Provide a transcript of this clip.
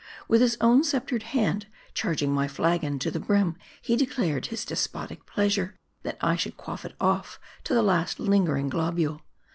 With his own sceptered hand charging my flagon to the brim, he declared his despotic pleasure, that I should quaff it off to the last lingering globule.